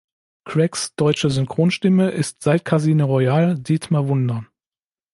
Craigs deutsche Synchronstimme ist seit Casino Royale Dietmar Wunder.